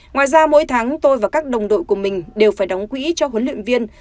ngoài ra mỗi tháng tôi và các đồng đội của mình đều phải đóng quỹ cho huấn luyện viên